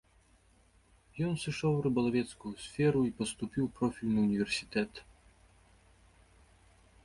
Ён сышоў у рыбалавецкую сферу і паступіў у профільны ўніверсітэт.